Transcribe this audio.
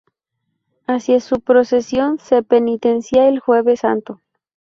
Hacía su procesión de penitencia el Jueves Santo.